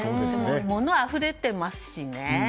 物あふれていますしね。